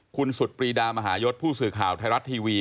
คุณสุดปรีดามหายศผู้สื่อข่าวไทยรัฐทีวี